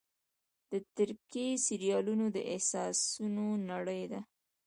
د ترکیې سریالونه د احساسونو نړۍ ده.